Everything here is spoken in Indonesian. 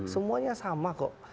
semuanya sama kok